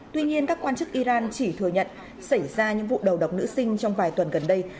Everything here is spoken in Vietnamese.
tuy nhiên các quan chức iran chỉ thừa nhận xảy ra những vụ đầu độc nữ sinh trong vài tuần gần đây